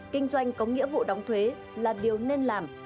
kinh doanh có nghĩa vụ đóng thuế là điều nên làm